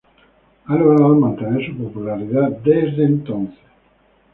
Ha logrado mantener su popularidad desde entonces.